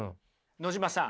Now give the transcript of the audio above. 野島さん